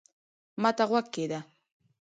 ما ته غوږ کېږده